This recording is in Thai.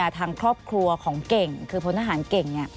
ทางครอบครัวของเก่งคือพลทหารเก่ง